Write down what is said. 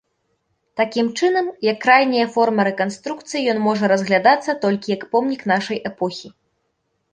Такім чынам, як крайняя форма рэканструкцыі ён можа разглядацца толькі як помнік нашай эпохі.